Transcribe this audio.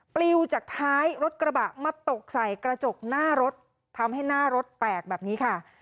ปลิวจากท้ายรถกระบะมาตกใส่กระจกหน้ารถทำให้หน้ารถแตกแบบนี้ค่ะ